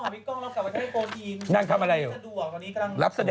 ประเภท